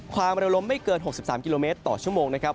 ความเร็วลมไม่เกิน๖๓กิโลเมตรต่อชั่วโมงนะครับ